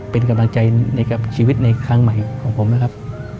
เป็นกำลังใจให้กับชีวิตในครั้งใหม่ของผมนะครับ